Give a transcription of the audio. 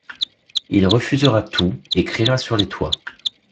Il refusera tout et criera sur les toits.